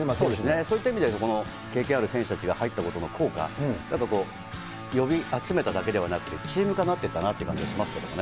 そういった意味で、経験ある選手たちが入ったことの効果、呼び集めただけではなくて、チーム化になってるかなって感じがしますけどね。